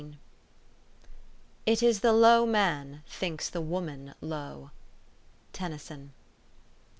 "It is the low man thinks the woman low." TENNYSON.